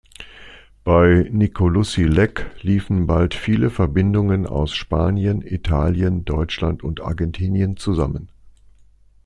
Bei Nicolussi-Leck liefen bald viele Verbindungen aus Spanien, Italien, Deutschland und Argentinien zusammen.